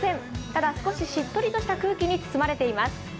ただ、少ししっとりした空気に包まれています。